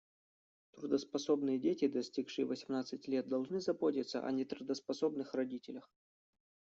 Трудоспособные дети, достигшие восемнадцати лет, должны заботиться о нетрудоспособных родителях.